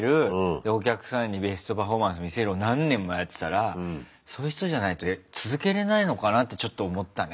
お客さんにベストパフォーマンス見せるを何年もやってたらそういう人じゃないと続けれないのかなってちょっと思ったね。